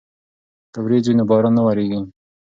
که وریځ وي نو باران نه وریږي.